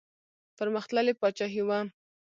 پرمختللې پاچاهي وه.